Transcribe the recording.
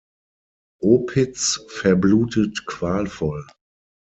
Opitz verblutet qualvoll.